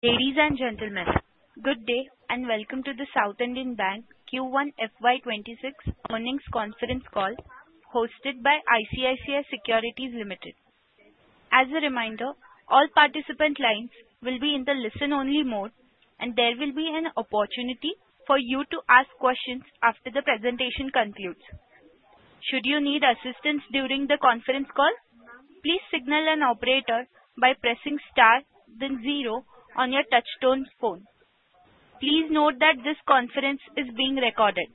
Ladies and gentlemen, good day and welcome to the South Indian Bank Q1 FY 2026 earnings conference call hosted by ICICI Securities Limited. As a reminder, all participant lines will be in the listen-only mode, and there will be an opportunity for you to ask questions after the presentation concludes. Should you need assistance during the conference call, please signal an operator by pressing star then zero on your touch-tone phone. Please note that this conference is being recorded.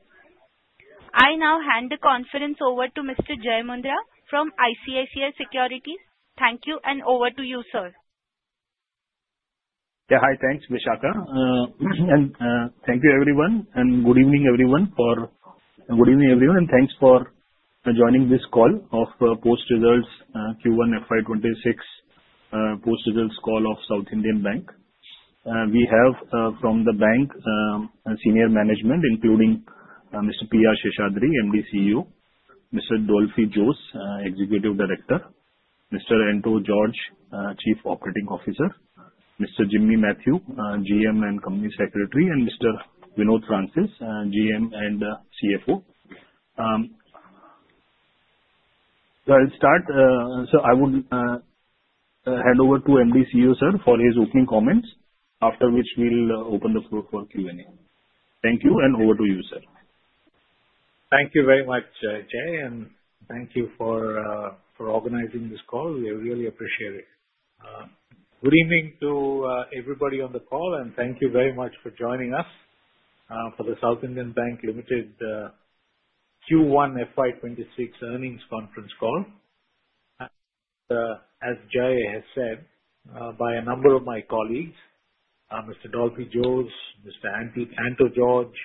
I now hand the conference over to Mr. Jai Mundhra from ICICI Securities. Thank you, and over to you, sir. Yeah, hi, thanks, Vishakha. And thank you, everyone, and good evening, everyone. Good evening, everyone, and thanks for joining this call of post-results Q1 FY 2026 post-results call of South Indian Bank. We have from the bank senior management, including Mr. P.R. Seshadri, MD, CEO, Mr. Dolphy Jose, Executive Director, Mr. Anto George, Chief Operating Officer, Mr. Jimmy Mathew, GM and Company Secretary, and Mr. Vinod Francis, GM and CFO. So I'll start. So I would hand over to MD, CEO, sir, for his opening comments, after which we'll open the floor for Q&A. Thank you, and over to you, sir. Thank you very much, Jai, and thank you for organizing this call. We really appreciate it. Good evening to everybody on the call, and thank you very much for joining us for the South Indian Bank Limited Q1 FY 2026 earnings conference call. As Jai has said, by a number of my colleagues, Mr. Dolphy Jose, Mr. Anto George,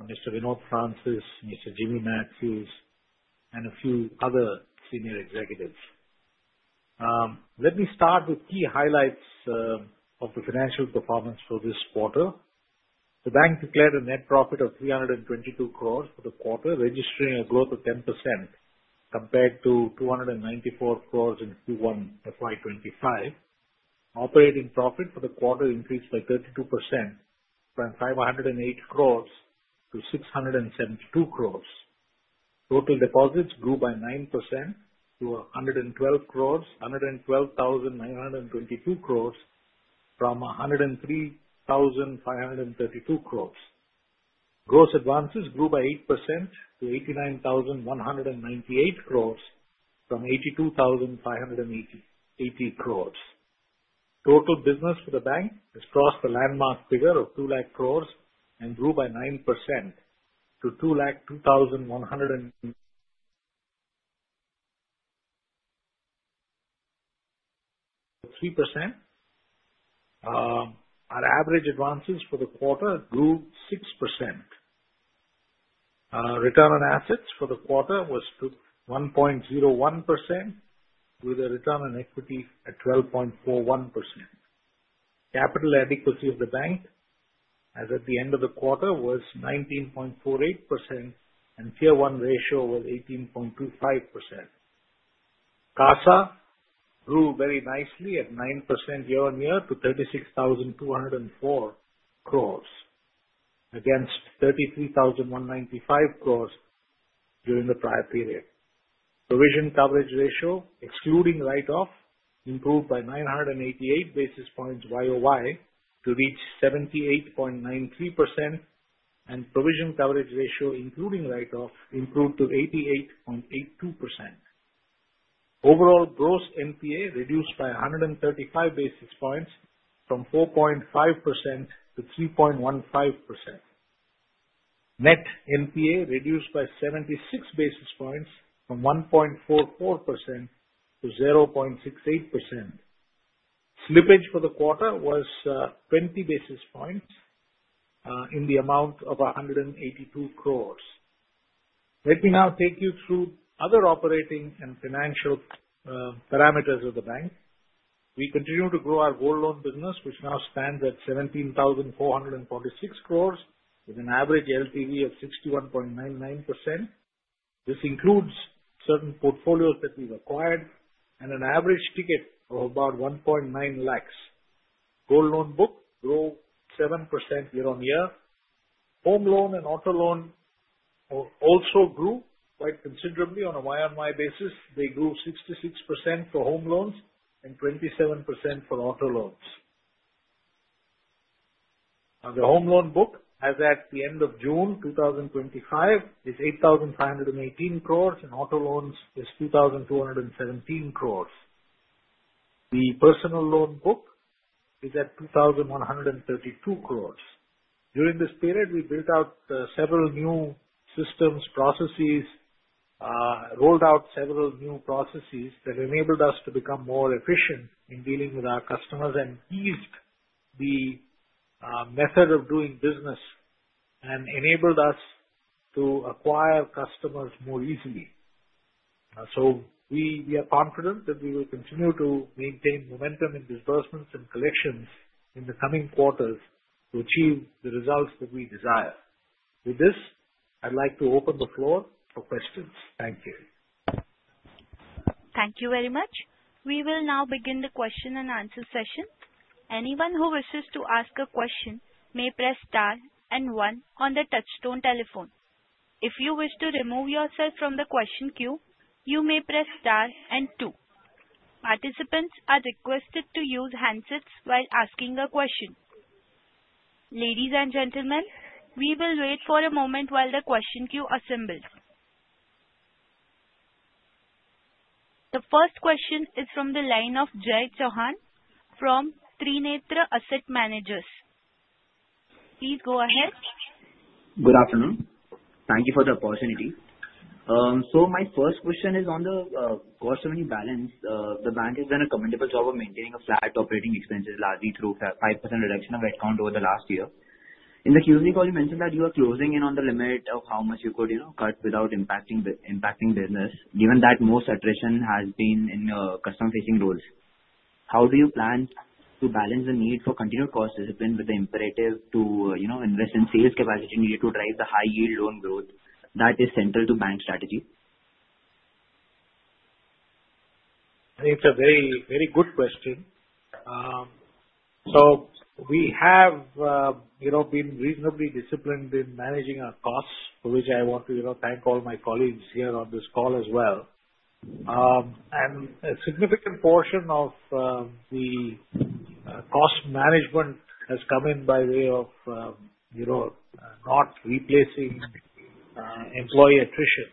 Mr. Vinod Francis, Mr. Jimmy Mathew, and a few other senior executives. Let me start with key highlights of the financial performance for this quarter. The bank declared a net profit of 322 crore for the quarter, registering a growth of 10% compared to 294 crore in Q1 FY 2025. Operating profit for the quarter increased by 32% from 508 crore to 672 crore. Total deposits grew by 9% to 112,922 crore, from 103,532 crore. Gross advances grew by 8% to 89,198 crore, from 82,580 crore. Total business for the bank has crossed the landmark figure of 2 lakh crore and grew by 9% to 2 lakh, 2,100, 3%. Our average advances for the quarter grew 6%. Return on assets for the quarter was 1.01%, with a return on equity at 12.41%. Capital adequacy of the bank, as at the end of the quarter, was 19.48%, and Tier 1 ratio was 18.25%. CASA grew very nicely at 9% year-on-year to 36,204 crore, against 33,195 crore during the prior period. Provision coverage ratio, excluding write-off, improved by 988 basis points YoY to reach 78.93%, and provision coverage ratio, including write-off, improved to 88.82%. Overall gross NPA reduced by 135 basis points, from 4.5% to 3.15%. Net NPA reduced by 76 basis points, from 1.44% to 0.68%. Slippage for the quarter was 20 basis points in the amount of 182 crore. Let me now take you through other operating and financial parameters of the bank. We continue to grow our wholesale loan business, which now stands at 17,446 crore, with an average LTV of 61.99%. This includes certain portfolios that we've acquired and an average ticket of about 1.9 lakh. Gold loan book grew 7% year-on-year. Home loan and auto loan also grew quite considerably. On a YoY basis, they grew 66% for home loans and 27% for auto loans. The home loan book as at the end of June 2025 is 8,518 crore, and auto loans is 2,217 crore. The personal loan book is at 2,132 crore. During this period, we built out several new systems, processes, rolled out several new processes that enabled us to become more efficient in dealing with our customers and eased the method of doing business and enabled us to acquire customers more easily. We are confident that we will continue to maintain momentum in disbursements and collections in the coming quarters to achieve the results that we desire. With this, I'd like to open the floor for questions. Thank you. Thank you very much. We will now begin the question-and-answer session. Anyone who wishes to ask a question may press star and one on the touch-tone telephone. If you wish to remove yourself from the question queue, you may press star and two. Participants are requested to use handsets while asking a question. Ladies and gentlemen, we will wait for a moment while the question queue assembles. The first question is from the line of Jai Chauhan from Trinetra Asset Managers. Please go ahead. Good afternoon. Thank you for the opportunity. So my first question is on the cost to income balance. The bank has done a commendable job of maintaining flat operating expenses largely through a 5% reduction of headcount over the last year. In the Q3 call, you mentioned that you are closing in on the limit of how much you could cut without impacting business, given that most attrition has been in customer-facing roles. How do you plan to balance the need for continued cost discipline with the imperative to invest in sales capacity needed to drive the high-yield loan growth that is central to bank strategy? I think it's a very, very good question. So we have been reasonably disciplined in managing our costs, for which I want to thank all my colleagues here on this call as well, and a significant portion of the cost management has come in by way of not replacing employee attrition.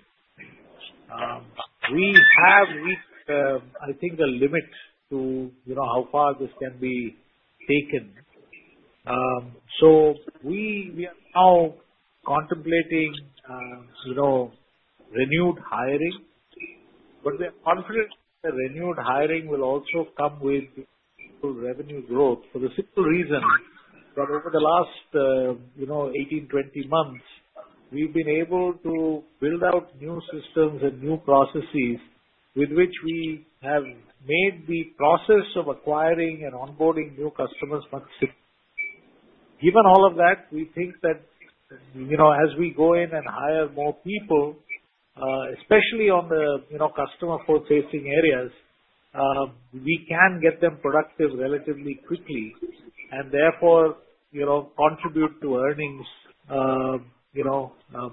We have, I think, a limit to how far this can be taken, so we are now contemplating renewed hiring, but we are confident that renewed hiring will also come with revenue growth for the simple reason that over the last 18, 20 months, we've been able to build out new systems and new processes with which we have made the process of acquiring and onboarding new customers much simpler. Given all of that, we think that as we go in and hire more people, especially on the customer-facing areas, we can get them productive relatively quickly and therefore contribute to earnings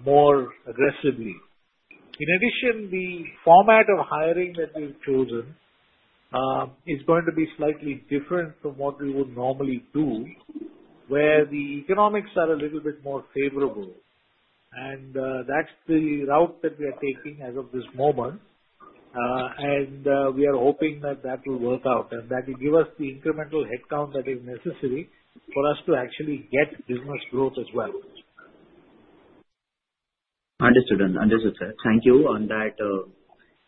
more aggressively. In addition, the format of hiring that we've chosen is going to be slightly different from what we would normally do, where the economics are a little bit more favorable, and that's the route that we are taking as of this moment, and we are hoping that that will work out and that will give us the incremental headcount that is necessary for us to actually get business growth as well. Understood. Understood, sir. Thank you on that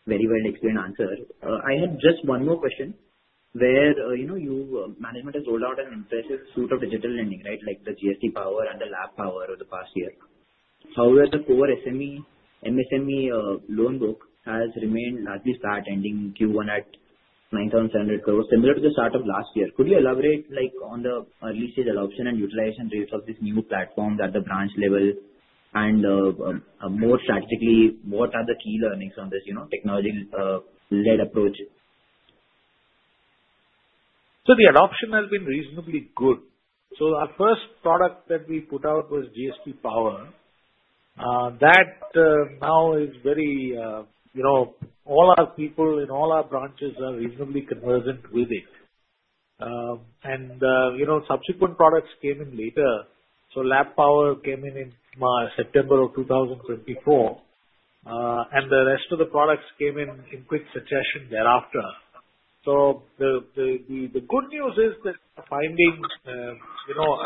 very well-explained answer. I had just one more question, where your management has rolled out an impressive suite of digital lending, right, like the GST Power and the LAP Power over the past year. However, the core SME, MSME loan book has remained largely flat, ending Q1 at 9,700 crore, similar to the start of last year. Could you elaborate on the early-stage adoption and utilization rates of this new platform at the branch level and more strategically, what are the key learnings from this technology-led approach? So the adoption has been reasonably good. So our first product that we put out was GST Power. That now is very all our people in all our branches are reasonably conversant with it. And subsequent products came in later. So LAP Power came in September of 2024, and the rest of the products came in quick succession thereafter. So the good news is that finding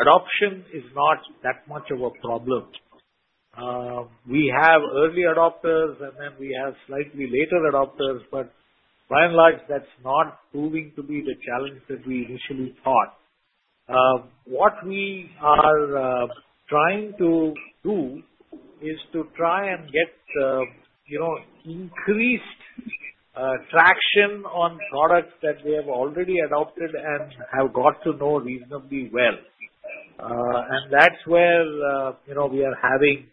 adoption is not that much of a problem. We have early adopters, and then we have slightly later adopters, but by and large, that's not proving to be the challenge that we initially thought. What we are trying to do is to try and get increased traction on products that we have already adopted and have got to know reasonably well. And that's where we are having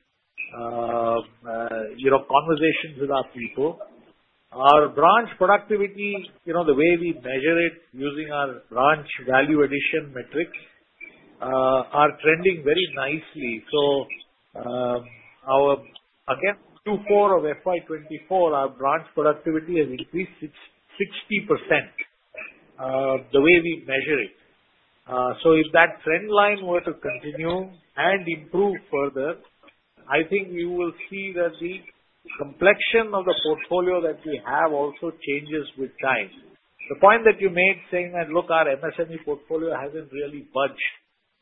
conversations with our people. Our branch productivity, the way we measure it using our branch value addition metrics, are trending very nicely. So again, Q4 of FY 2024, our branch productivity has increased 60% the way we measure it. So if that trend line were to continue and improve further, I think you will see that the complexion of the portfolio that we have also changes with time. The point that you made saying that, "Look, our MSME portfolio hasn't really budged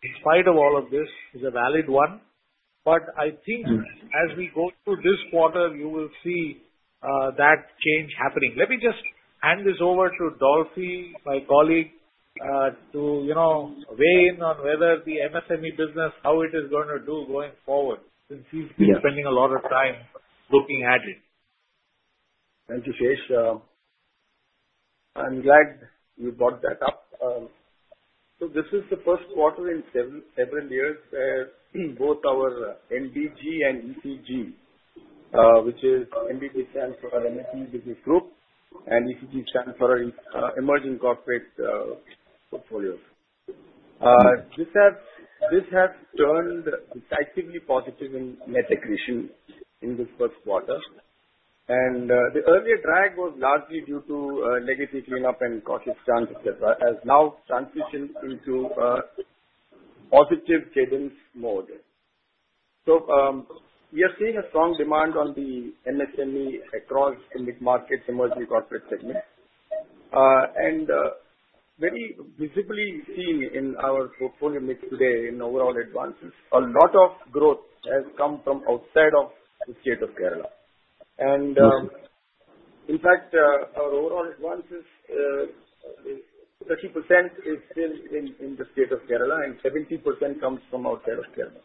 in spite of all of this," is a valid one. But I think as we go through this quarter, you will see that change happening. Let me just hand this over to Dolphy, my colleague, to weigh in on whether the MSME business, how it is going to do going forward, since he's been spending a lot of time looking at it. Thank you, Sesh. I'm glad you brought that up. So this is the first quarter in several years where both our MBG and ECG, which is MBG stands for MSME-Business Group and ECG stands for Emerging Corporate portfolios. This has turned decisively positive in net acquisition in this first quarter. And the earlier drag was largely due to legacy cleanup in Karnataka, which has now transitioned into a positive cadence mode. So we are seeing a strong demand on the MSME across the mid-market Emerging Corporate segment. And very visibly seen in our portfolio mix today in overall advances, a lot of growth has come from outside of the state of Kerala. And in fact, our overall advances, 30% is still in the state of Kerala, and 70% comes from outside of Kerala.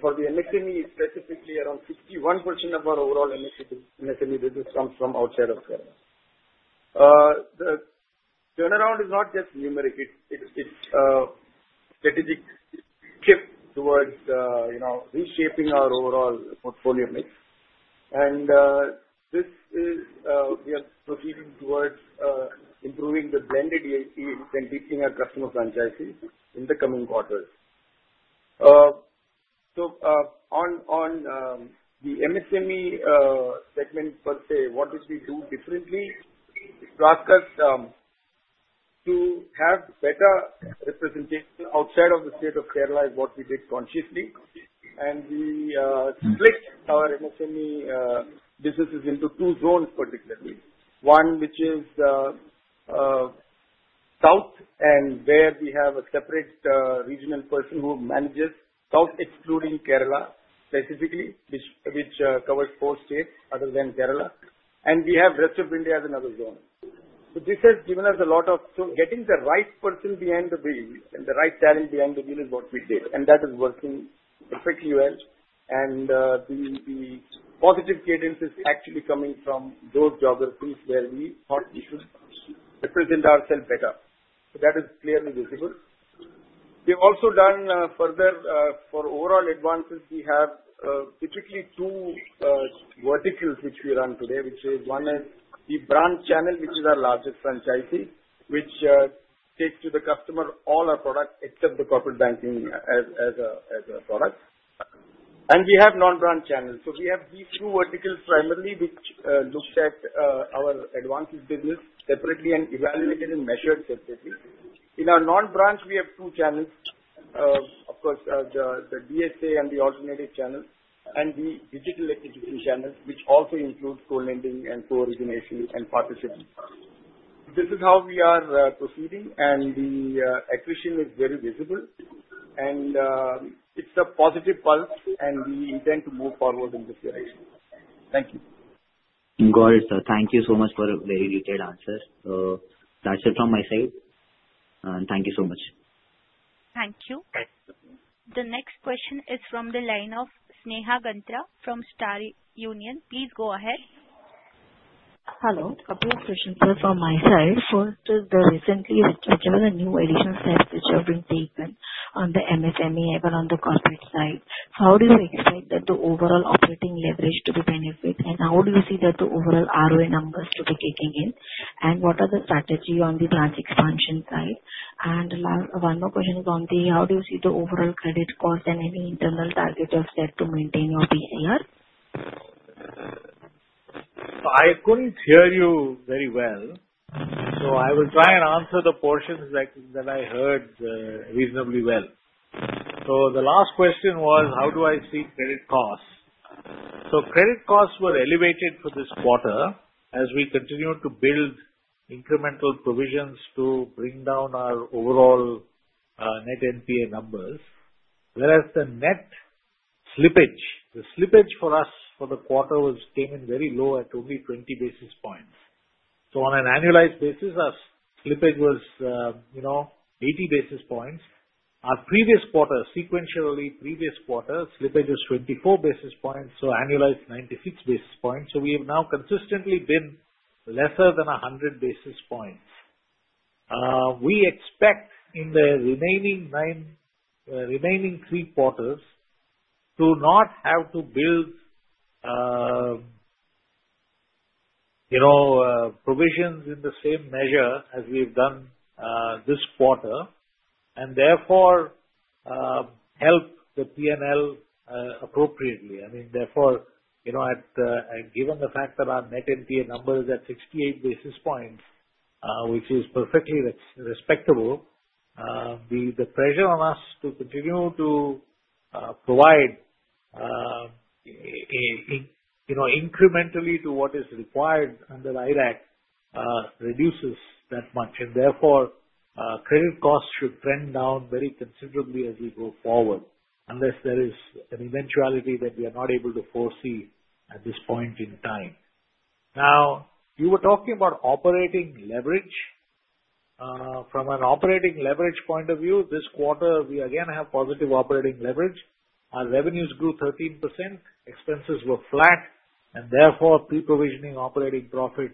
For the MSME, specifically around 61% of our overall MSME business comes from outside of Kerala. The turnaround is not just numeric. It's a strategic shift towards reshaping our overall portfolio mix. And this is, we are proceeding towards improving the blended ECG and deepening our customer franchises in the coming quarters. So on the MSME segment per se, what did we do differently? We asked us to have better representation outside of the state of Kerala is what we did consciously. And we split our MSME businesses into two zones particularly. One, which is south, and where we have a separate regional person who manages south, excluding Kerala specifically, which covers four states other than Kerala. And we have rest of India as another zone. So this has given us a lot, so getting the right person behind the wheel and the right talent behind the wheel is what we did. And that is working perfectly well. And the positive cadence is actually coming from those geographies where we thought we should represent ourselves better. So that is clearly visible. We have also done further for overall advances. We have typically two verticals which we run today, which is one is the branch channel, which is our largest franchise, which takes to the customer all our products except the corporate banking as a product. And we have non-branch channels. So we have these two verticals primarily, which looked at our advances business separately and evaluated and measured separately. In our non-branch, we have two channels, of course, the DSA and the alternative channel, and the digital execution channel, which also includes co-lending and co-origination and partnership. This is how we are proceeding, and the attrition is very visible, and it's a positive pulse, and we intend to move forward in this direction. Thank you. Got it. Thank you so much for a very detailed answer. So that's it from my side. And thank you so much. Thank you. The next question is from the line of Sneha Ganatra from Star Union. Please go ahead. Hello. A couple of questions here from my side. First is the recently whichever the new additional steps which have been taken on the MSME, but on the corporate side, how do you expect that the overall operating leverage to be benefited? And how do you see that the overall ROI numbers to be kicking in? And what are the strategy on the branch expansion side? And one more question is on the how do you see the overall credit cost and any internal target of step to maintain your PCR? I couldn't hear you very well. I will try and answer the portions that I heard reasonably well. The last question was, how do I see credit costs? Credit costs were elevated for this quarter as we continued to build incremental provisions to bring down our overall Net NPA numbers, whereas the net slippage, the slippage for us for the quarter came in very low at only 20 basis points. On an annualized basis, our slippage was 80 basis points. Our previous quarter, sequentially previous quarter, slippage was 24 basis points, so annualized 96 basis points. We have now consistently been lesser than 100 basis points. We expect in the remaining three quarters to not have to build provisions in the same measure as we have done this quarter and therefore help the P&L appropriately. I mean, therefore, given the fact that our Net NPA number is at 68 basis points, which is perfectly respectable, the pressure on us to continue to provide incrementally to what is required under IRAC reduces that much. And therefore, credit costs should trend down very considerably as we go forward unless there is an eventuality that we are not able to foresee at this point in time. Now, you were talking about operating leverage. From an operating leverage point of view, this quarter, we again have positive operating leverage. Our revenues grew 13%, expenses were flat, and therefore pre-provisioning operating profit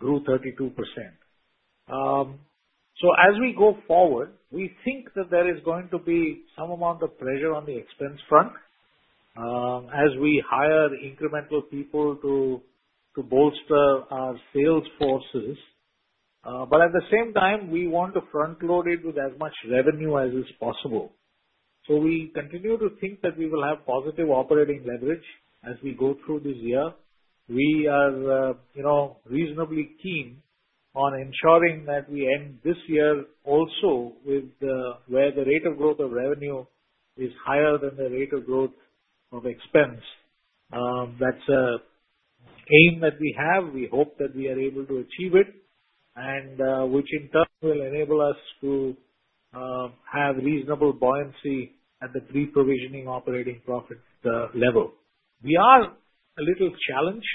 grew 32%. So as we go forward, we think that there is going to be some amount of pressure on the expense front as we hire incremental people to bolster our sales forces. But at the same time, we want to front-load it with as much revenue as is possible. So we continue to think that we will have positive operating leverage as we go through this year. We are reasonably keen on ensuring that we end this year also with where the rate of growth of revenue is higher than the rate of growth of expense. That's an aim that we have. We hope that we are able to achieve it, which in turn will enable us to have reasonable buoyancy at the pre-provisioning operating profit level. We are a little challenged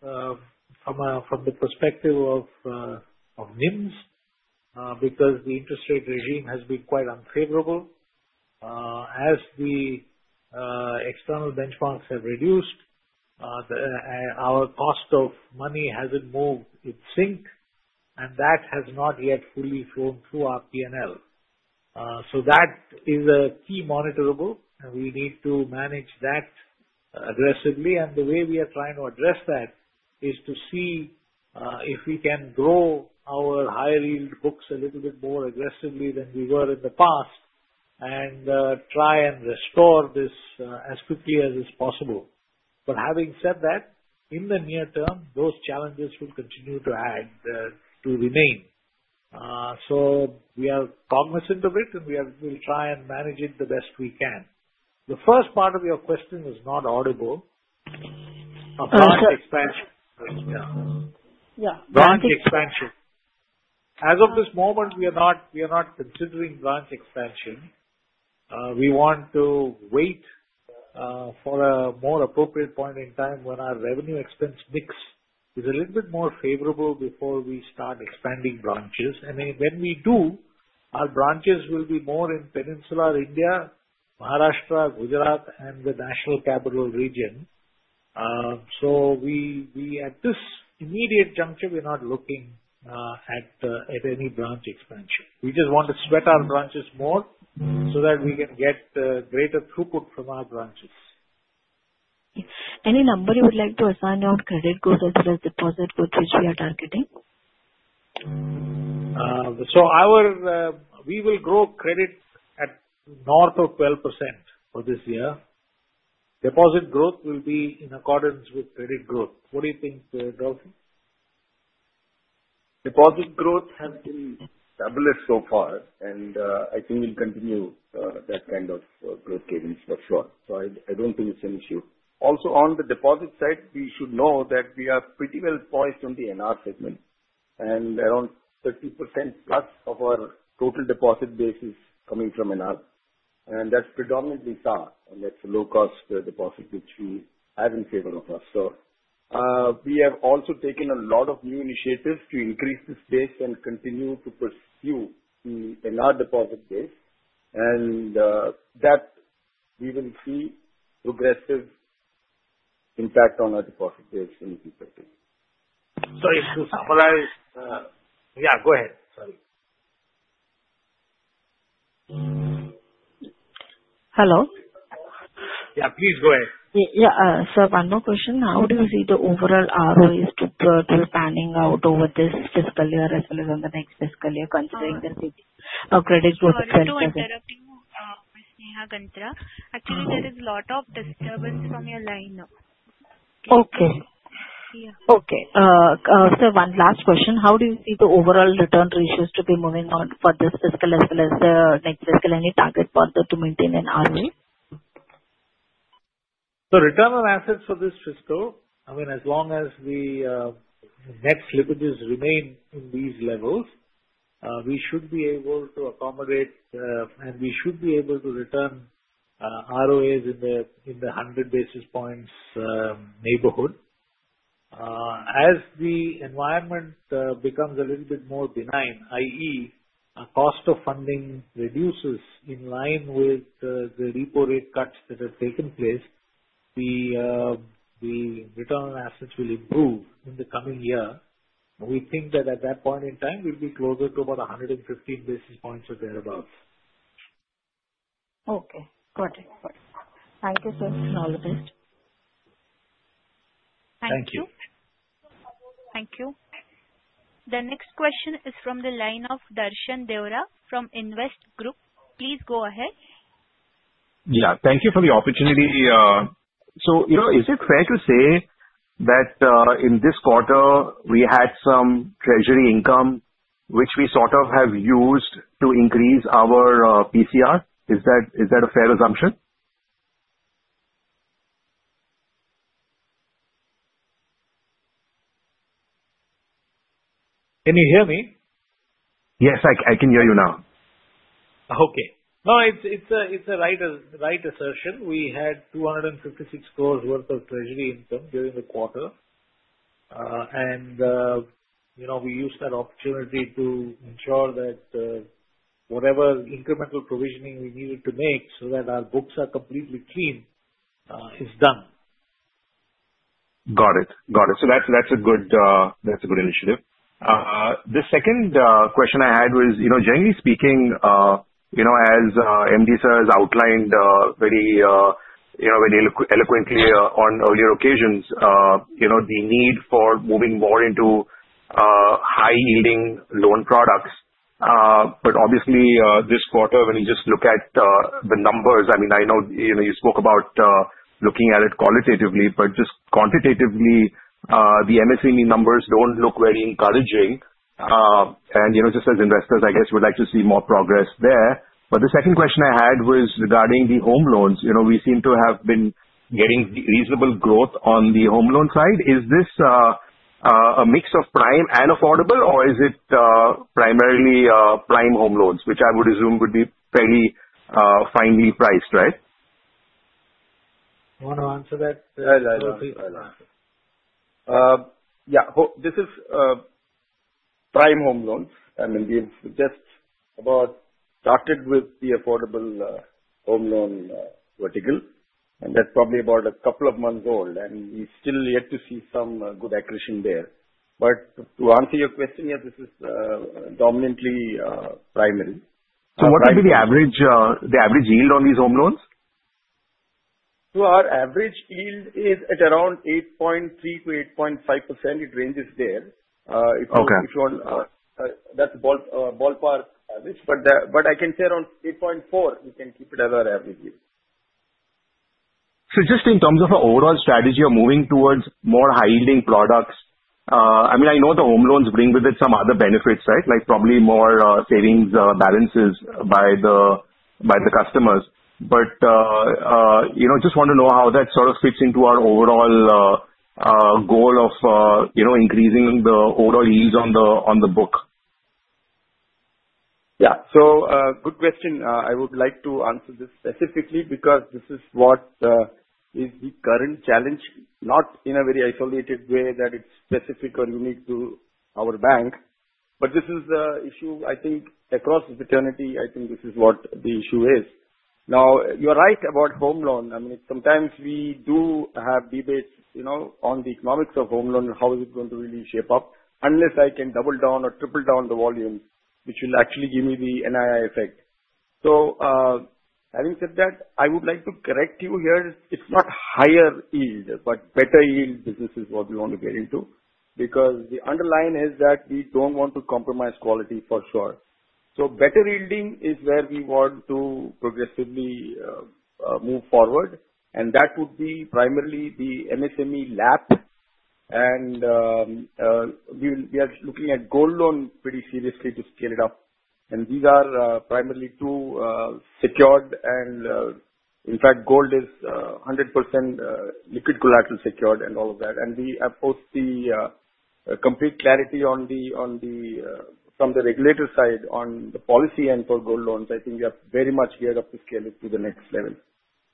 from the perspective of NIMs because the interest rate regime has been quite unfavorable. As the external benchmarks have reduced, our cost of money hasn't moved in sync, and that has not yet fully flowed through our P&L. So that is a key monitorable, and we need to manage that aggressively. And the way we are trying to address that is to see if we can grow our high-yield books a little bit more aggressively than we were in the past and try and restore this as quickly as is possible. But having said that, in the near term, those challenges will continue to remain. So we are cognizant of it, and we will try and manage it the best we can. The first part of your question was not audible. Branch expansion. Yeah. Branch expansion. As of this moment, we are not considering branch expansion. We want to wait for a more appropriate point in time when our revenue-expense mix is a little bit more favorable before we start expanding branches. And when we do, our branches will be more in Peninsular India, Maharashtra, Gujarat, and the National Capital Region. So at this immediate juncture, we're not looking at any branch expansion. We just want to sweat our branches more so that we can get greater throughput from our branches. Any number you would like to assign on credit growth as well as deposit growth, which we are targeting? So we will grow credit at north of 12% for this year. Deposit growth will be in accordance with credit growth. What do you think, Dolphy? Deposit growth has been fabulous so far, and I think we'll continue that kind of growth cadence for sure. So I don't think it's an issue. Also on the deposit side, we should know that we are pretty well-poised on the NR segment, and around 30%+ of our total deposit base is coming from NR. And that's predominantly SAR, and that's a low-cost deposit, which we have in favor of us. So we have also taken a lot of new initiatives to increase this base and continue to pursue the NR deposit base. And that we will see progressive impact on our deposit base in the future. Sorry to summarize. Yeah, go ahead. Sorry. Hello? Yeah, please go ahead. Yeah. So one more question. How do you see the overall ROIs playing out over this fiscal year as well as on the next fiscal year, considering the credit growth? I'm going to interrupt you with Sneha Ganatra. Actually, there is a lot of disturbance from your line now. Okay. So one last question. How do you see the overall return ratios to be moving on for this fiscal as well as the next fiscal? Any target further to maintain an ROI? Return on assets for this fiscal, I mean, as long as the net slippages remain in these levels, we should be able to accommodate, and we should be able to return ROA in the 100 basis points neighborhood. As the environment becomes a little bit more benign, i.e., cost of funding reduces in line with the repo rate cuts that have taken place, the return on assets will improve in the coming year. We think that at that point in time, we'll be closer to about 115 basis points or thereabouts. Okay. Got it. Thank you so much, all the best. Thank you. Thank you. The next question is from the line of Darshan Deora from Indvest Group. Please go ahead. Yeah. Thank you for the opportunity. So is it fair to say that in this quarter, we had some treasury income, which we sort of have used to increase our PCR? Is that a fair assumption? Can you hear me? Yes, I can hear you now. Okay. No, it's a right assertion. We had 256 crore worth of treasury income during the quarter. And we used that opportunity to ensure that whatever incremental provisioning we needed to make so that our books are completely clean is done. Got it. Got it. So that's a good initiative. The second question I had was, generally speaking, as MD sir has outlined very eloquently on earlier occasions, the need for moving more into high-yielding loan products. But obviously, this quarter, when you just look at the numbers, I mean, I know you spoke about looking at it qualitatively, but just quantitatively, the MSME numbers don't look very encouraging. And just as investors, I guess, would like to see more progress there. But the second question I had was regarding the home loans. We seem to have been getting reasonable growth on the home loan side. Is this a mix of prime and affordable, or is it primarily prime home loans, which I would assume would be fairly finely priced, right? You want to answer that? Yeah. This is prime home loans. I mean, we've just about started with the affordable home loan vertical, and that's probably about a couple of months old, and we still yet to see some good accretion there. But to answer your question, yes, this is dominantly primary. What would be the average yield on these home loans? Our average yield is at around 8.3%-8.5%. It ranges there. That's ballpark average. But I can say around 8.4%. We can keep it as our average yield. So, just in terms of our overall strategy of moving towards more high-yielding products, I mean, I know the home loans bring with it some other benefits, right? Like probably more savings balances by the customers. But I just want to know how that sort of fits into our overall goal of increasing the overall yields on the book. Yeah. So good question. I would like to answer this specifically because this is what is the current challenge, not in a very isolated way that it's specific or unique to our bank. But this is the issue, I think, across the industry. I think this is what the issue is. Now, you're right about home loan. I mean, sometimes we do have debates on the economics of home loan and how is it going to really shape up unless I can double down or triple down the volume, which will actually give me the NII effect. So having said that, I would like to correct you here. It's not higher yield, but better yield business is what we want to get into because the underlying is that we don't want to compromise quality for sure. So better yielding is where we want to progressively move forward. And that would be primarily the MSME, LAP. And we are looking at gold loan pretty seriously to scale it up. And these are primarily two secured. And in fact, gold is 100% liquid collateral secured and all of that. And we have both the complete clarity from the regulator side on the policy end for gold loans. I think we have very much geared up to scale it to the next level.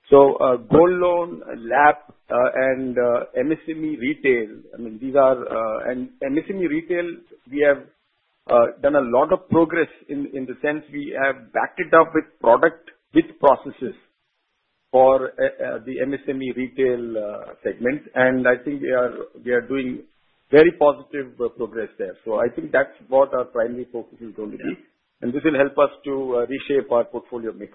So gold loan, LAP, and MSME retail, I mean, these are MSME retail, we have done a lot of progress in the sense we have backed it up with product with processes for the MSME retail segment. And I think we are doing very positive progress there. So I think that's what our primary focus is going to be. And this will help us to reshape our portfolio mix.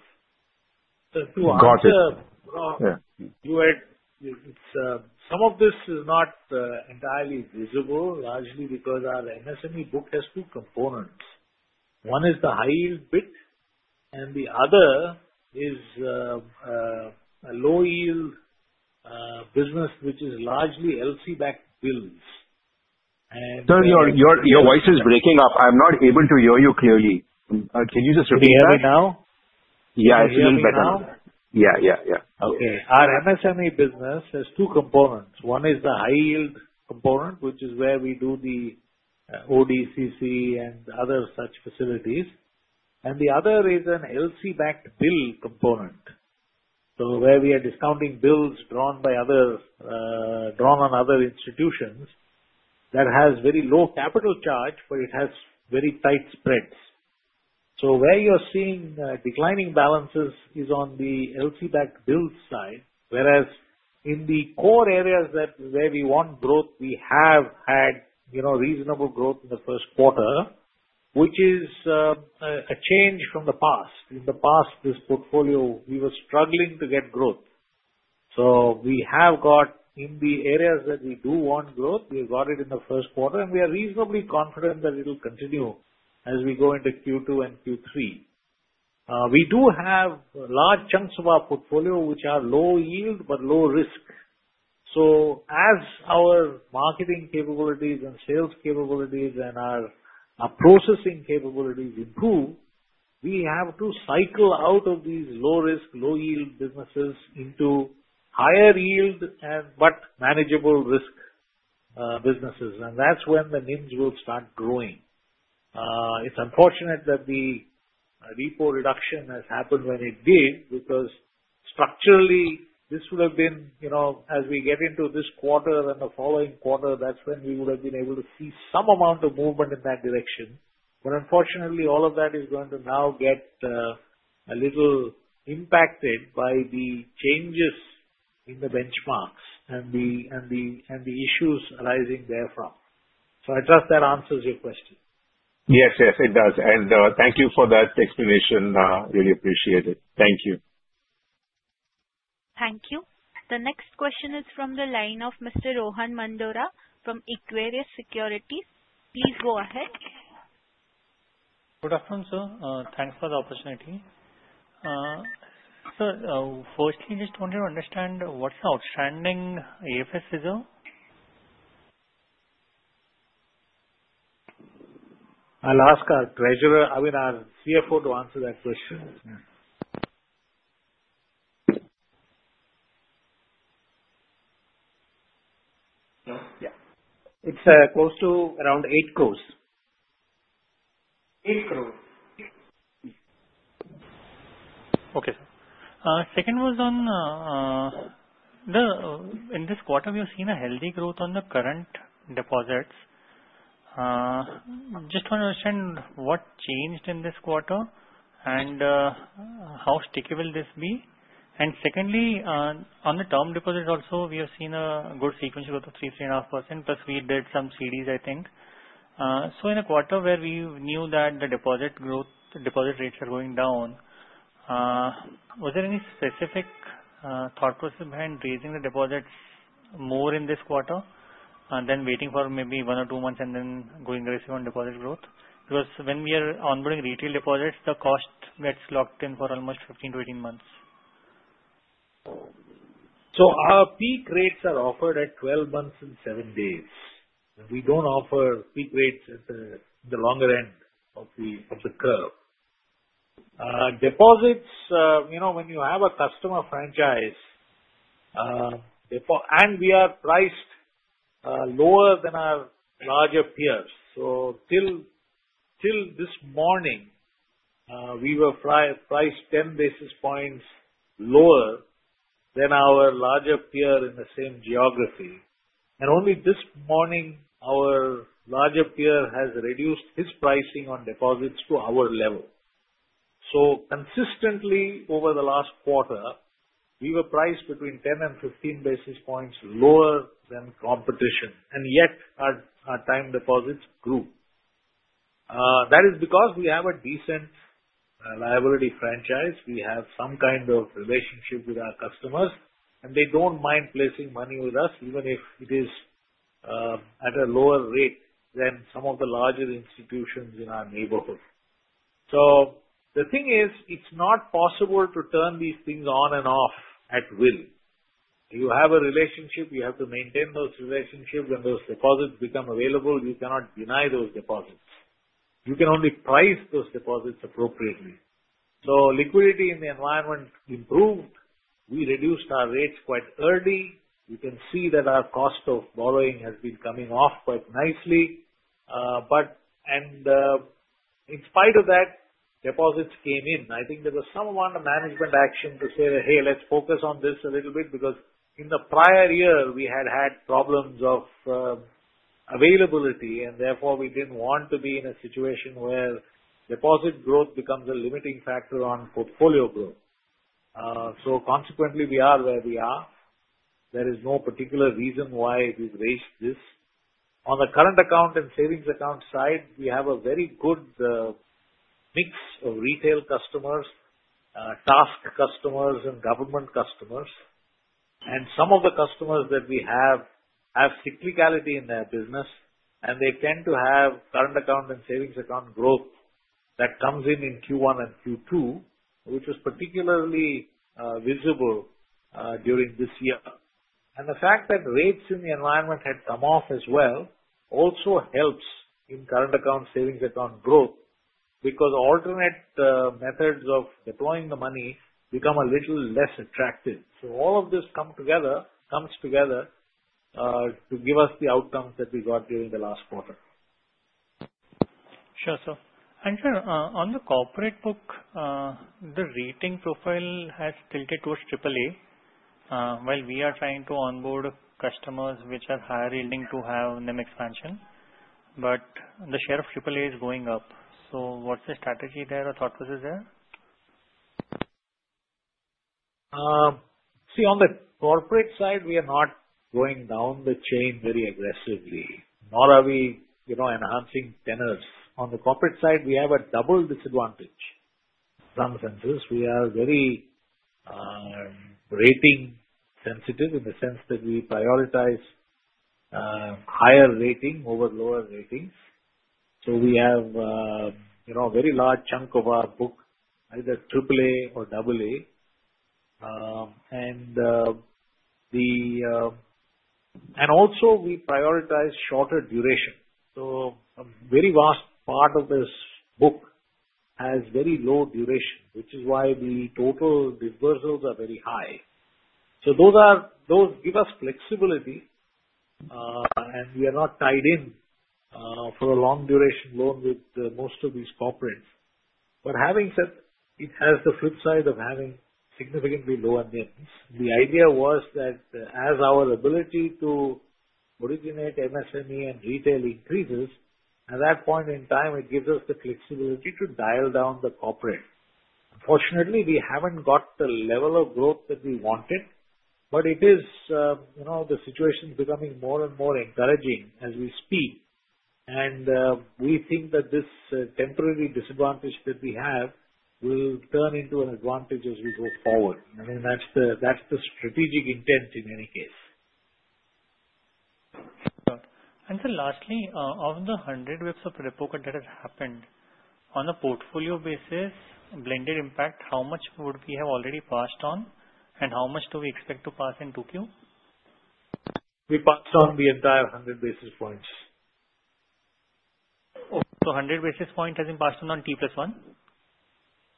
Got it. You had some of this is not entirely visible, largely because our MSME book has two components. One is the high-yield bit, and the other is a low-yield business, which is largely LC-backed bills. And. Sir, your voice is breaking up. I'm not able to hear you clearly. Can you just repeat that? Can you hear me now? Yeah, it's a little better now. Yeah, yeah, yeah. Okay. Our MSME business has two components. One is the high-yield component, which is where we do the ODCC and other such facilities. And the other is an LC-backed bill component. So where we are discounting bills drawn on other institutions that has very low capital charge, but it has very tight spreads. So where you're seeing declining balances is on the LC-backed bill side, whereas in the core areas where we want growth, we have had reasonable growth in the first quarter, which is a change from the past. In the past, this portfolio, we were struggling to get growth. So we have got in the areas that we do want growth, we have got it in the first quarter, and we are reasonably confident that it will continue as we go into Q2 and Q3. We do have large chunks of our portfolio, which are low-yield but low-risk. So as our marketing capabilities and sales capabilities and our processing capabilities improve, we have to cycle out of these low-risk, low-yield businesses into higher-yield but manageable risk businesses. And that's when the NIMs will start growing. It's unfortunate that the repo reduction has happened when it did because structurally, this would have been as we get into this quarter and the following quarter, that's when we would have been able to see some amount of movement in that direction. But unfortunately, all of that is going to now get a little impacted by the changes in the benchmarks and the issues arising therefrom. So I trust that answers your question. Yes, yes, it does. And thank you for that explanation. Really appreciate it. Thank you. Thank you. The next question is from the line of Mr. Rohan Mandora from Equirus Securities. Please go ahead. Good afternoon, sir. Thanks for the opportunity. Sir, firstly, I just want to understand what's outstanding AFS is on? I'll ask our treasurer, I mean, our CFO to answer that question. No? Yeah. It's close to around 8 crore. 8 crore. Okay. Second was on the, in this quarter, we have seen a healthy growth on the current deposits. Just want to understand what changed in this quarter and how sticky will this be. And secondly, on the term deposit also, we have seen a good sequential growth of 3.5%, plus we did some CDs, I think. So in a quarter where we knew that the deposit rates are going down, was there any specific thought process behind raising the deposits more in this quarter than waiting for maybe one or two months and then going aggressive on deposit growth? Because when we are onboarding retail deposits, the cost gets locked in for almost 15 to 18 months. So our peak rates are offered at 12 months and 7 days. We don't offer peak rates at the longer end of the curve. Deposits, when you have a customer franchise, and we are priced lower than our larger peers. So till this morning, we were priced 10 basis points lower than our larger peer in the same geography. And only this morning, our larger peer has reduced his pricing on deposits to our level. So consistently over the last quarter, we were priced between 10 and 15 basis points lower than competition. And yet, our time deposits grew. That is because we have a decent liability franchise. We have some kind of relationship with our customers, and they don't mind placing money with us even if it is at a lower rate than some of the larger institutions in our neighborhood. So the thing is, it's not possible to turn these things on and off at will. You have a relationship. You have to maintain those relationships. When those deposits become available, you cannot deny those deposits. You can only price those deposits appropriately. So liquidity in the environment improved. We reduced our rates quite early. You can see that our cost of borrowing has been coming off quite nicely. And in spite of that, deposits came in. I think there was some amount of management action to say, "Hey, let's focus on this a little bit," because in the prior year, we had had problems of availability, and therefore, we didn't want to be in a situation where deposit growth becomes a limiting factor on portfolio growth. So consequently, we are where we are. There is no particular reason why we've raised this. On the current account and savings account side, we have a very good mix of retail customers, TASC customers, and government customers. And some of the customers that we have have cyclicality in their business, and they tend to have current account and savings account growth that comes in in Q1 and Q2, which was particularly visible during this year. And the fact that rates in the environment had come off as well also helps in current account, savings account growth because alternate methods of deploying the money become a little less attractive. So all of this comes together to give us the outcomes that we got during the last quarter. Sure, sir. And sir, on the corporate book, the rating profile has tilted toward AAA. Well, we are trying to onboard customers which are higher yielding to have NIM expansion, but the share of AAA is going up. So what's the strategy there or thought process there? See, on the corporate side, we are not going down the chain very aggressively, nor are we enhancing tenors. On the corporate side, we have a double disadvantage in some senses. We are very rating sensitive in the sense that we prioritize higher rating over lower ratings. So we have a very large chunk of our book, either AAA or AA. And also, we prioritize shorter duration. So a very vast part of this book has very low duration, which is why the total disbursals are very high. So those give us flexibility, and we are not tied in for a long-duration loan with most of these corporates. But having said that, it has the flip side of having significantly lower NIMs. The idea was that as our ability to originate MSME and retail increases, at that point in time, it gives us the flexibility to dial down the corporate. Unfortunately, we haven't got the level of growth that we wanted, but it is the situation becoming more and more encouraging as we speak, and we think that this temporary disadvantage that we have will turn into an advantage as we go forward. I mean, that's the strategic intent in any case. Sir, lastly, of the 100 basis points of repo cut that has happened, on a portfolio basis, blended impact, how much would we have already passed on, and how much do we expect to pass in 2Q? We passed on the entire 100 basis points. So 100 basis points has been passed on T+1?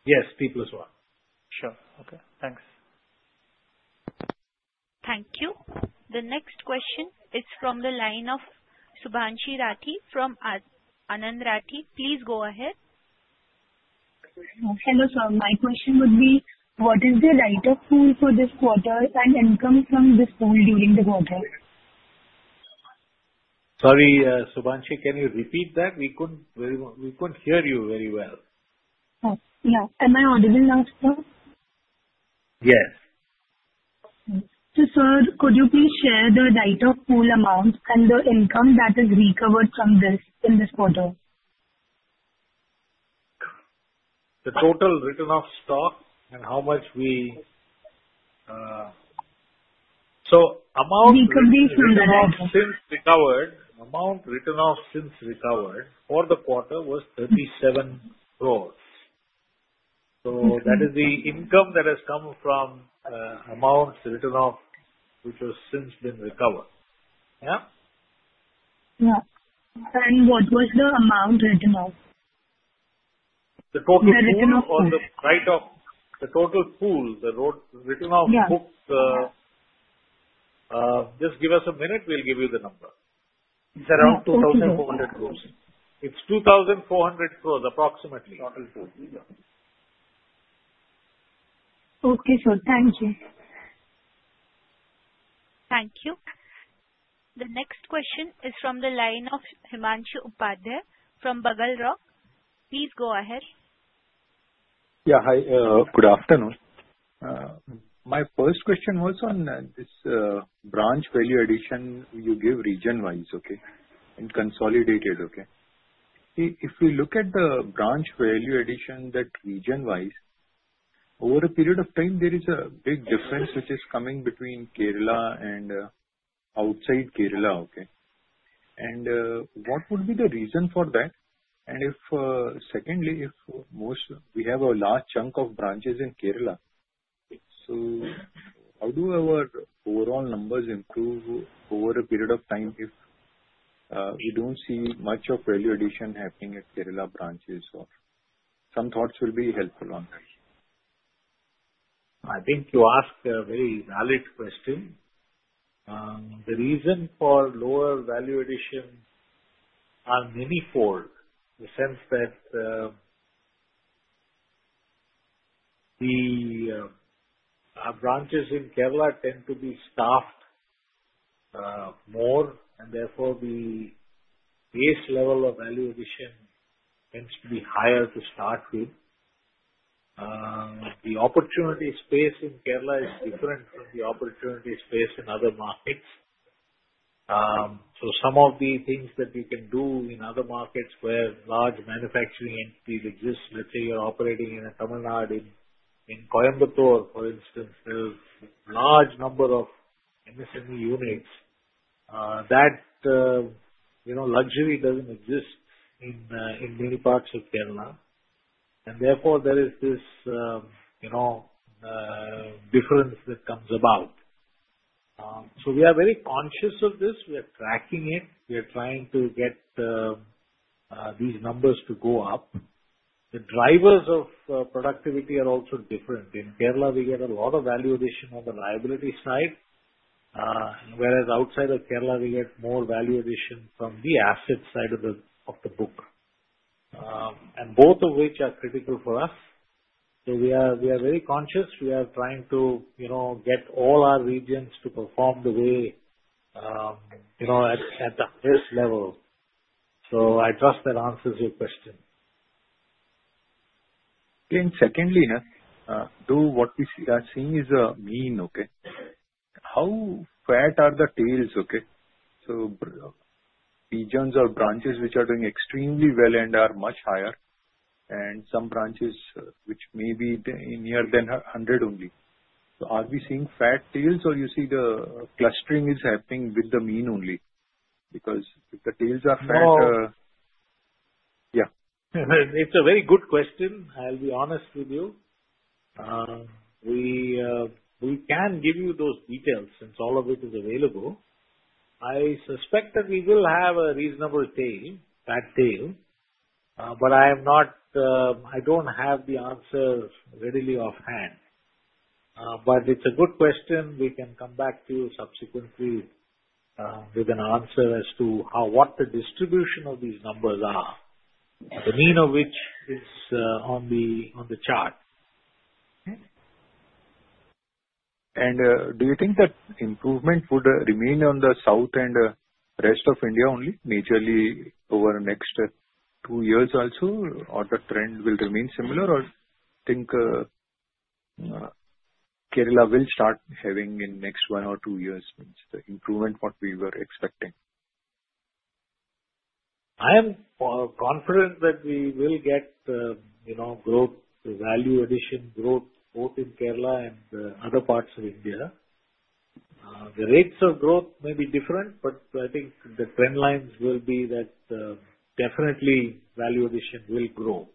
Yes, T+1. Sure. Okay. Thanks. Thank you. The next question is from the line of Subhanshi Rathi from Anand Rathi. Please go ahead. Hello, sir. My question would be, what is the write-off pool for this quarter and income from this pool during the quarter? Sorry, Subhanshi, can you repeat that? We couldn't hear you very well. Oh, yeah. Am I audible now, sir? Yes. Sir, could you please share the write-off pool amount and the income that is recovered from this in this quarter? The total return of stock and how much we so amount. Recovery from the quarter. Amount since recovered, amount written off since recovered for the quarter was 37 crore. So that is the income that has come from amount written off which has since been recovered. Yeah? Yeah. And what was the amount written off? The total pool, or rather, the total pool, the written off books. Just give us a minute, we'll give you the number. It's around 2,400 crore. It's 2,400 crore approximately. Total pool. Okay, sir. Thank you. Thank you. The next question is from the line of Himanshu Upadhyay from BugleRock. Please go ahead. Yeah, hi. Good afternoon. My first question was on this branch value addition you give region-wise, okay, and consolidated, okay? If we look at the branch value addition that region-wise, over a period of time, there is a big difference which is coming between Kerala and outside Kerala, okay? And what would be the reason for that? And secondly, we have a large chunk of branches in Kerala. So how do our overall numbers improve over a period of time if we don't see much of value addition happening at Kerala branches? Some thoughts will be helpful on that. I think you asked a very valid question. The reason for lower value addition are manyfold in the sense that our branches in Kerala tend to be staffed more, and therefore, the base level of value addition tends to be higher to start with. The opportunity space in Kerala is different from the opportunity space in other markets. So some of the things that you can do in other markets where large manufacturing entities exist, let's say you're operating in Tamil Nadu in Coimbatore, for instance, there's a large number of MSME units. That luxury doesn't exist in many parts of Kerala. And therefore, there is this difference that comes about. So we are very conscious of this. We are tracking it. We are trying to get these numbers to go up. The drivers of productivity are also different. In Kerala, we get a lot of value addition on the liability side, whereas outside of Kerala, we get more value addition from the asset side of the book, and both of which are critical for us. So we are very conscious. We are trying to get all our regions to perform the way at the highest level. So I trust that answers your question. Then secondly, you mean what we are seeing is a mean, okay? How fat are the tails, okay? So regions or branches which are doing extremely well and are much higher, and some branches which may be near to 100 only. So are we seeing fat tails, or do you see the clustering is happening with the mean only? Because if the tails are fat. So. Yeah. It's a very good question. I'll be honest with you. We can give you those details since all of it is available. I suspect that we will have a reasonable tail, fat tail, but I don't have the answer readily offhand. But it's a good question. We can come back to you subsequently with an answer as to what the distribution of these numbers are, the mean of which is on the chart. And do you think that improvement would remain on the south and rest of India only, majorly over the next two years also, or the trend will remain similar, or think Kerala will start having in the next one or two years the improvement what we were expecting? I am confident that we will get growth, value addition growth, both in Kerala and other parts of India. The rates of growth may be different, but I think the trend lines will be that definitely value addition will grow,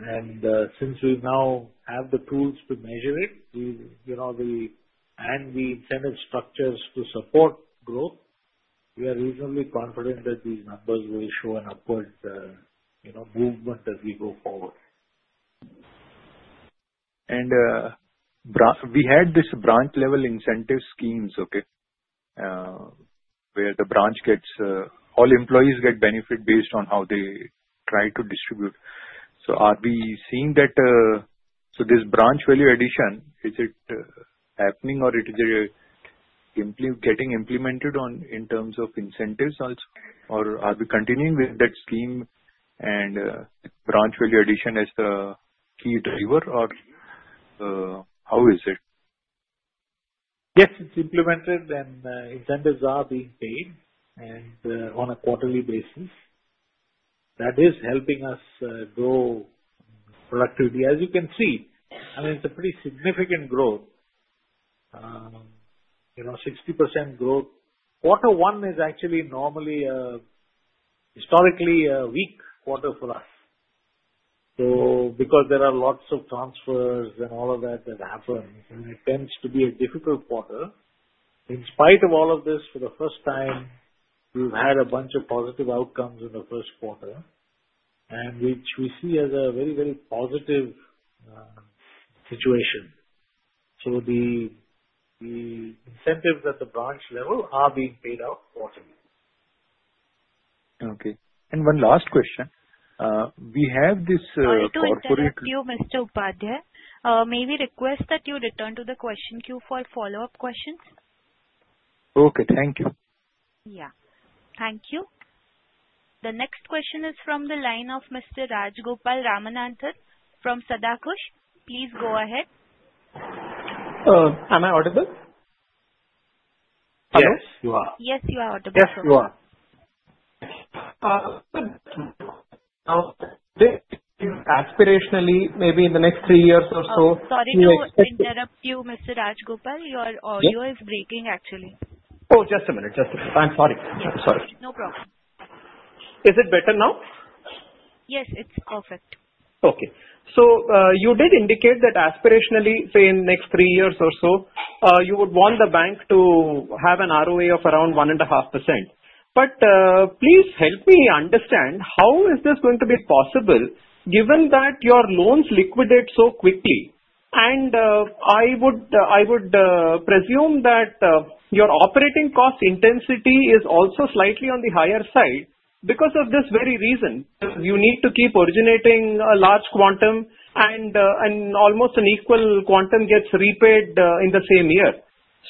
and since we now have the tools to measure it and the incentive structures to support growth, we are reasonably confident that these numbers will show an upward movement as we go forward. And we had this branch-level incentive schemes, okay, where the branch gets all employees get benefit based on how they try to distribute. So are we seeing that? So this branch value addition, is it happening, or it is simply getting implemented in terms of incentives also, or are we continuing with that scheme and branch value addition as the key driver, or how is it? Yes, it's implemented, and incentives are being paid on a quarterly basis. That is helping us grow productivity. As you can see, I mean, it's a pretty significant growth, 60% growth. Quarter one is actually normally a historically weak quarter for us. So because there are lots of transfers and all of that that happen, and it tends to be a difficult quarter, in spite of all of this, for the first time, we've had a bunch of positive outcomes in the first quarter, which we see as a very, very positive situation. So the incentives at the branch level are being paid out quarterly. Okay, and one last question. We have this corporate. Oh, you can continue with you, Mr. Upadhyay. May we request that you return to the question queue for follow-up questions? Okay. Thank you. Yeah. Thank you. The next question is from the line of Mr. Rajagopal Ramanathan from Sadakush. Please go ahead. Am I audible? Yes. Hello? Yes, you are. Yes, you are audible. Yes, you are. Now, aspirationally, maybe in the next three years or so. Oh, sorry to interrupt you, Mr. Rajagopal. Your audio is breaking, actually. Oh, just a minute. Just a minute. I'm sorry. I'm sorry. No problem. Is it better now? Yes, it's perfect. Okay. So you did indicate that aspirationally, say, in the next three years or so, you would want the bank to have an ROA of around 1.5%. But please help me understand how is this going to be possible given that your loans liquidate so quickly? And I would presume that your operating cost intensity is also slightly on the higher side because of this very reason. You need to keep originating a large quantum, and almost an equal quantum gets repaid in the same year.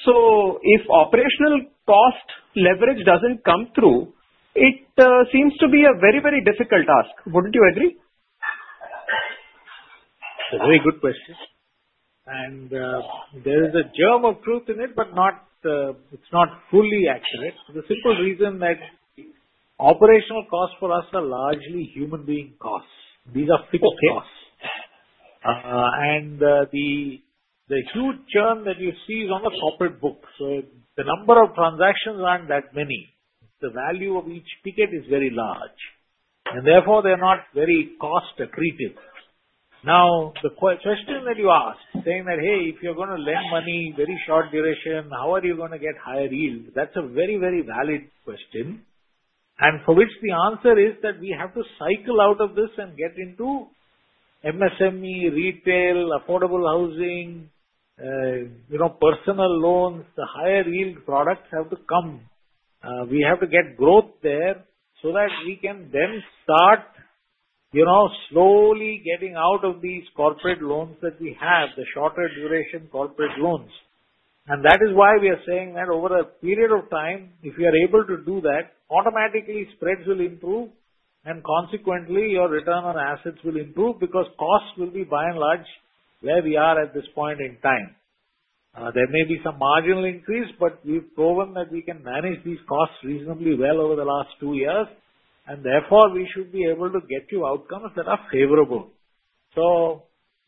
So if operational cost leverage doesn't come through, it seems to be a very, very difficult task. Wouldn't you agree? It's a very good question, and there is a germ of truth in it, but it's not fully accurate. The simple reason that operational costs for us are largely human being costs. These are fixed costs, and the huge churn that you see is on the corporate book. So the number of transactions aren't that many. The value of each ticket is very large, and therefore, they're not very cost-accretive. Now, the question that you asked, saying that, "Hey, if you're going to lend money, very short duration, how are you going to get higher yield?" That's a very, very valid question, and for which the answer is that we have to cycle out of this and get into MSME, retail, affordable housing, personal loans. The higher yield products have to come. We have to get growth there so that we can then start slowly getting out of these corporate loans that we have, the shorter duration corporate loans. And that is why we are saying that over a period of time, if you are able to do that, automatically spreads will improve, and consequently, your return on assets will improve because costs will be, by and large, where we are at this point in time. There may be some marginal increase, but we've proven that we can manage these costs reasonably well over the last two years. And therefore, we should be able to get you outcomes that are favorable. So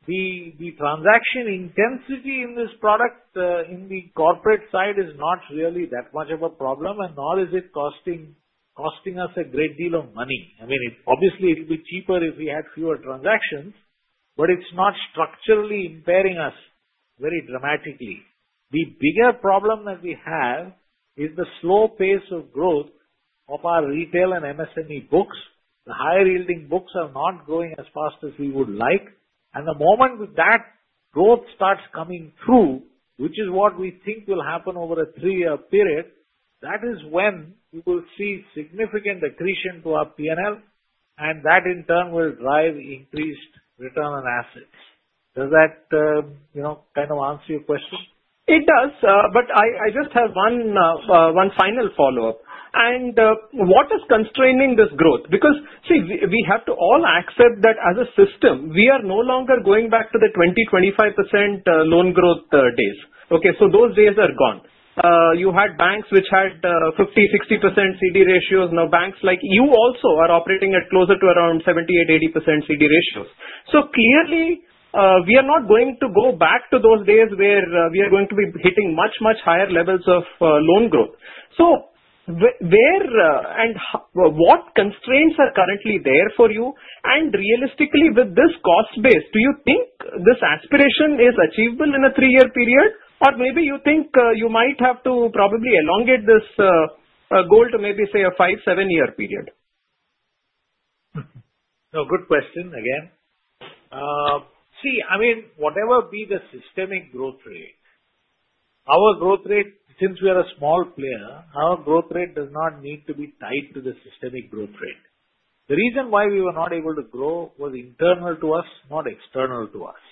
the transaction intensity in this product in the corporate side is not really that much of a problem, and nor is it costing us a great deal of money. I mean, obviously, it would be cheaper if we had fewer transactions, but it's not structurally impairing us very dramatically. The bigger problem that we have is the slow pace of growth of our retail and MSME books. The higher-yielding books are not growing as fast as we would like. And the moment that growth starts coming through, which is what we think will happen over a three-year period, that is when we will see significant accretion to our P&L, and that in turn will drive increased return on assets. Does that kind of answer your question? It does. But I just have one final follow-up. And what is constraining this growth? Because, see, we have to all accept that as a system, we are no longer going back to the 20%-25% loan growth days. Okay? So those days are gone. You had banks which had 50%-60% CD ratios. Now, banks like you also are operating at closer to around 78%-80% CD ratios. So clearly, we are not going to go back to those days where we are going to be hitting much, much higher levels of loan growth. So where and what constraints are currently there for you? And realistically, with this cost base, do you think this aspiration is achievable in a three-year period, or maybe you think you might have to probably elongate this goal to maybe, say, a five, seven-year period? No, good question again. See, I mean, whatever be the systemic growth rate, our growth rate, since we are a small player, our growth rate does not need to be tied to the systemic growth rate. The reason why we were not able to grow was internal to us, not external to us.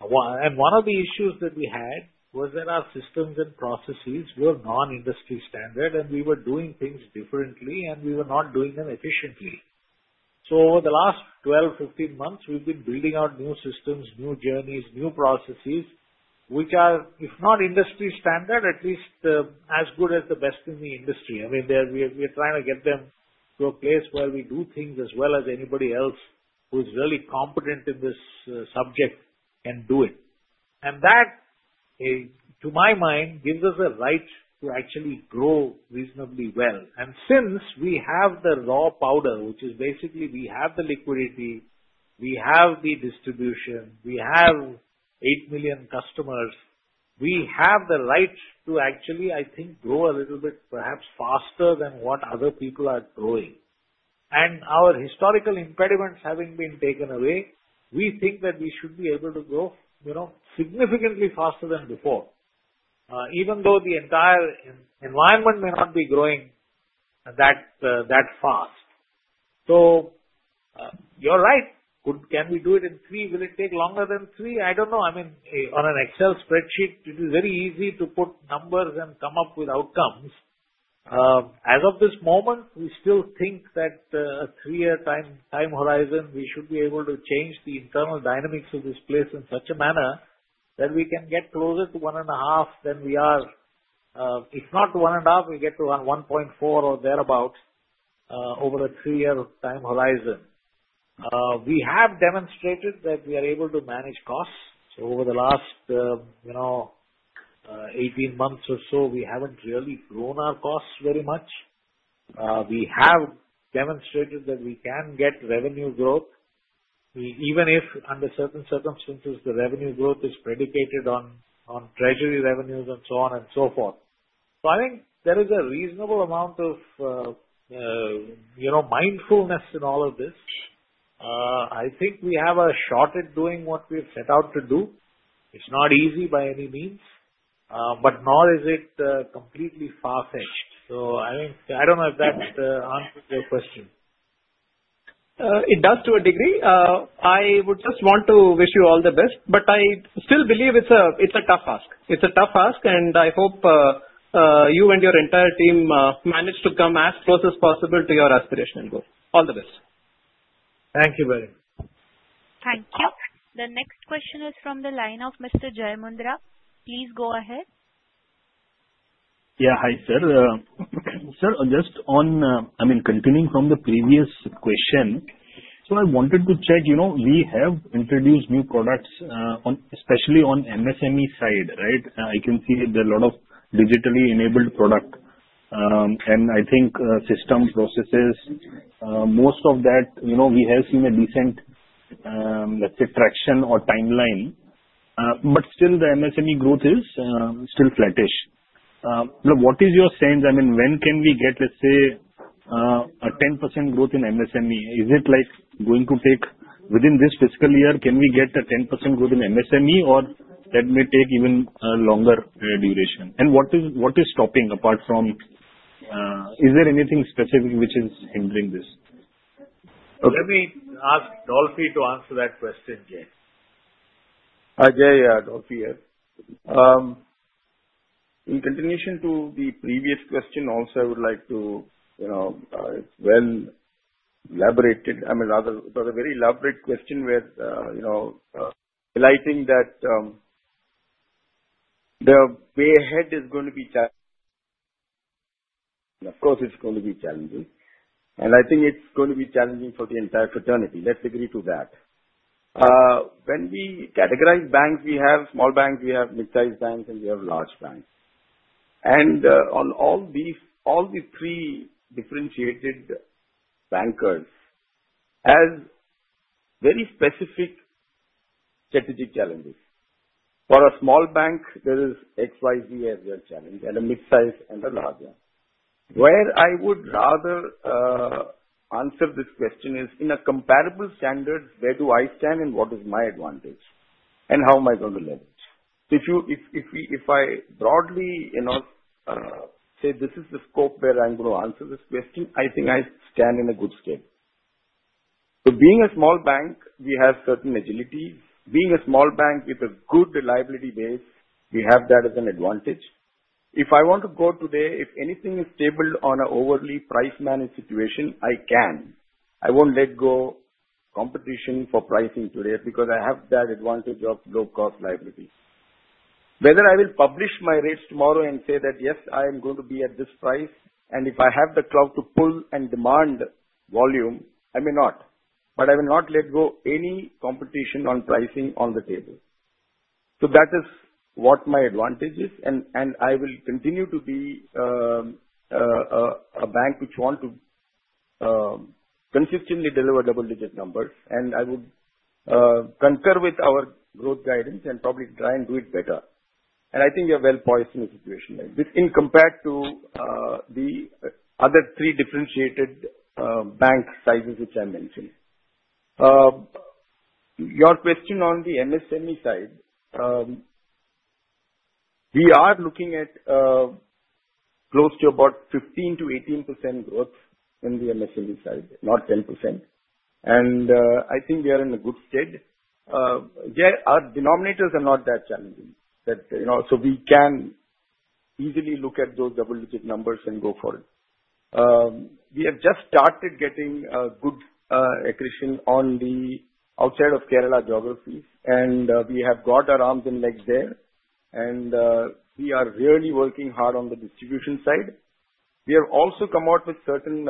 And one of the issues that we had was that our systems and processes were non-industry standard, and we were doing things differently, and we were not doing them efficiently. So over the last 12, 15 months, we've been building out new systems, new journeys, new processes, which are, if not industry standard, at least as good as the best in the industry. I mean, we are trying to get them to a place where we do things as well as anybody else who is really competent in this subject can do it. That, to my mind, gives us a right to actually grow reasonably well. And since we have the raw power, which is basically we have the liquidity, we have the distribution, we have eight million customers, we have the right to actually, I think, grow a little bit perhaps faster than what other people are growing. And our historical impediments having been taken away, we think that we should be able to grow significantly faster than before, even though the entire environment may not be growing that fast. So you're right. Can we do it in three? Will it take longer than three? I don't know. I mean, on an Excel spreadsheet, it is very easy to put numbers and come up with outcomes. As of this moment, we still think that a three-year time horizon, we should be able to change the internal dynamics of this place in such a manner that we can get closer to 1.5 than we are. If not 1.5, we get to 1.4 or thereabouts over a three-year time horizon. We have demonstrated that we are able to manage costs. So over the last 18 months or so, we haven't really grown our costs very much. We have demonstrated that we can get revenue growth, even if under certain circumstances, the revenue growth is predicated on treasury revenues and so on and so forth. So I think there is a reasonable amount of mindfulness in all of this. I think we have a shot at doing what we have set out to do. It's not easy by any means, but nor is it completely far-fetched. So I don't know if that answers your question. It does to a degree. I would just want to wish you all the best, but I still believe it's a tough ask. It's a tough ask, and I hope you and your entire team manage to come as close as possible to your aspirational goal. All the best. Thank you very much. Thank you. The next question is from the line of Mr. Jai Mundhra. Please go ahead. Yeah. Hi, sir. Sir, just on, I mean, continuing from the previous question, so I wanted to check. We have introduced new products, especially on MSME side, right? I can see there are a lot of digitally enabled products. And I think system processes, most of that, we have seen a decent, let's say, traction or timeline. But still, the MSME growth is still flattish. What is your sense? I mean, when can we get, let's say, a 10% growth in MSME? Is it going to take within this fiscal year, can we get a 10% growth in MSME, or that may take even a longer duration? And what is stopping apart from is there anything specific which is hindering this? Let me ask Dolphy to answer that question again. Dolphy Jose here. In continuation to the previous question, also, I would like to. It's well elaborated. I mean, it was a very elaborate question where highlighting that the way ahead is going to be. Of course, it's going to be challenging. And I think it's going to be challenging for the entire fraternity. Let's agree to that. When we categorize banks, we have small banks, we have mid-sized banks, and we have large banks. And on all these three differentiated banks have very specific strategic challenges. For a small bank, there is XYZ as their challenge, and a mid-size and a large one. Where I would rather answer this question is in a comparable standard, where do I stand, and what is my advantage, and how am I going to leverage? If I broadly say, "This is the scope where I'm going to answer this question," I think I stand in a good state. So being a small bank, we have certain agility. Being a small bank with a good liability base, we have that as an advantage. If I want to go today, if anything is tabled on an overly price-managed situation, I can. I won't let go of competition for pricing today because I have that advantage of low-cost liability. Whether I will publish my rates tomorrow and say that, "Yes, I am going to be at this price," and if I have the clout to pull and demand volume, I may not. But I will not let go of any competition on pricing on the table. So that is what my advantage is. And I will continue to be a bank which wants to consistently deliver double-digit numbers. I would concur with our growth guidance and probably try and do it better. I think you're well-poised in a situation like this in compared to the other three differentiated bank sizes which I mentioned. Your question on the MSME side, we are looking at close to about 15%-18% growth in the MSME side, not 10%. I think we are in a good state. Our denominators are not that challenging. So we can easily look at those double-digit numbers and go for it. We have just started getting good accretion on the outside of Kerala geographies, and we have got our arms and legs there. We are really working hard on the distribution side. We have also come out with certain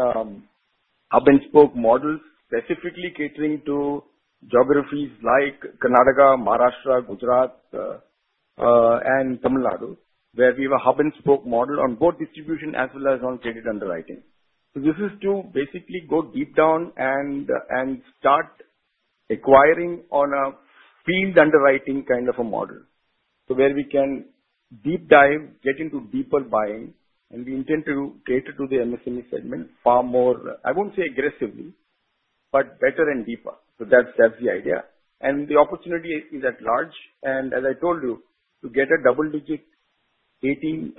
hub-and-spoke models, specifically catering to geographies like Karnataka, Maharashtra, Gujarat, and Tamil Nadu, where we have a hub-and-spoke model on both distribution as well as on credit underwriting. So this is to basically go deep down and start acquiring on a field underwriting kind of a model. So where we can deep dive, get into deeper buying, and we intend to cater to the MSME segment far more - I won't say aggressively, but better and deeper. So that's the idea. And the opportunity is at large. And as I told you, to get a double-digit, 15%-18%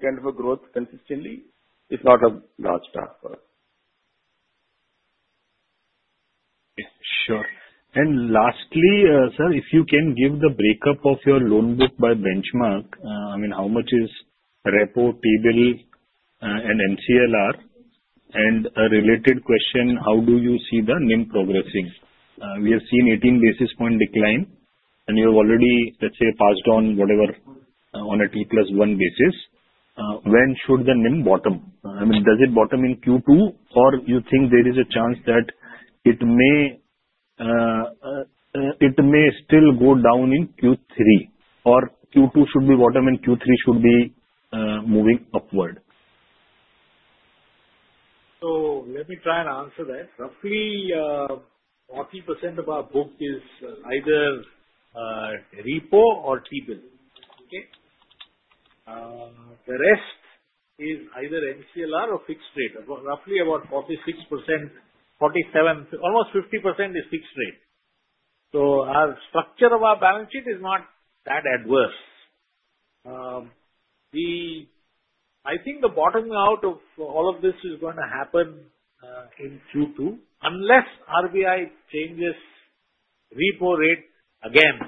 kind of a growth consistently is not a large task for us. Sure. And lastly, sir, if you can give the break-up of your loan book by benchmark, I mean, how much is repo, T-bill, and MCLR? And a related question, how do you see the NIM progressing? We have seen 18 basis points decline, and you have already, let's say, passed on whatever on a T+1 basis. When should the NIM bottom? I mean, does it bottom in Q2, or you think there is a chance that it may still go down in Q3, or Q2 should be bottom and Q3 should be moving upward? So let me try and answer that. Roughly 40% of our book is either repo or T-bill. Okay? The rest is either MCLR or fixed rate. Roughly about 46%-47%, almost 50% is fixed rate. So our structure of our balance sheet is not that adverse. I think the bottoming out of all of this is going to happen in Q2 unless RBI changes repo rate again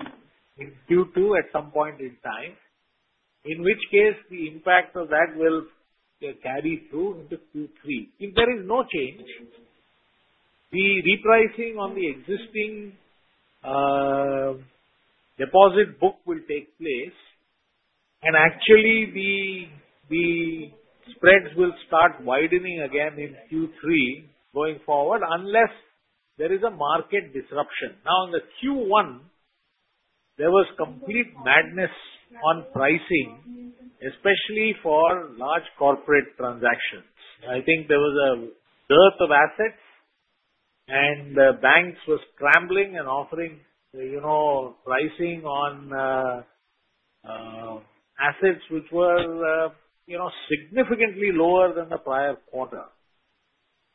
in Q2 at some point in time, in which case the impact of that will carry through into Q3. If there is no change, the repricing on the existing deposit book will take place. And actually, the spreads will start widening again in Q3 going forward unless there is a market disruption. Now, in the Q1, there was complete madness on pricing, especially for large corporate transactions. I think there was a dearth of assets, and the banks were scrambling and offering pricing on assets which were significantly lower than the prior quarter.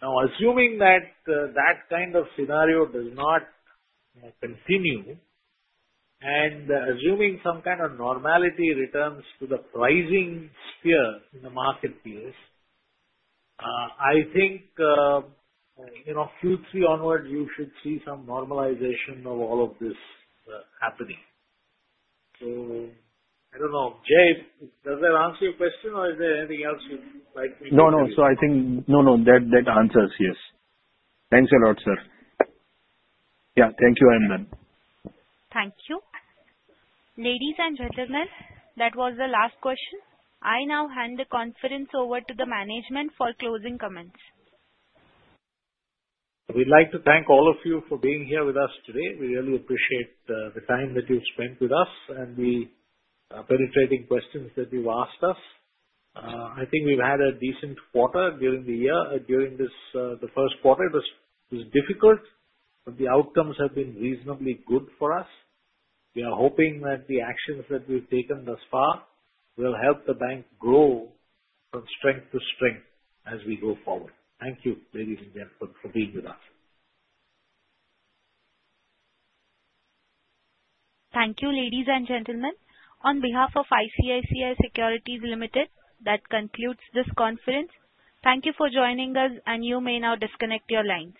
Now, assuming that that kind of scenario does not continue and assuming some kind of normality returns to the pricing sphere in the marketplace, I think Q3 onward, you should see some normalization of all of this happening. So I don't know. Jai, does that answer your question, or is there anything else you'd like me to do? No, no. So I think no, no. That answers yes. Thanks a lot, sir. Yeah. Thank you, Jai. Thank you. Ladies and gentlemen, that was the last question. I now hand the conference over to the management for closing comments. We'd like to thank all of you for being here with us today. We really appreciate the time that you've spent with us and the penetrating questions that you've asked us. I think we've had a decent quarter during the year. During the first quarter, it was difficult, but the outcomes have been reasonably good for us. We are hoping that the actions that we've taken thus far will help the bank grow from strength to strength as we go forward. Thank you, ladies and gentlemen, for being with us. Thank you, ladies and gentlemen. On behalf of ICICI Securities Limited, that concludes this conference. Thank you for joining us, and you may now disconnect your lines.